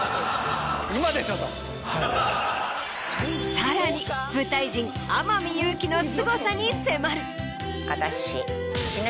さらに舞台人天海祐希のすごさに迫る。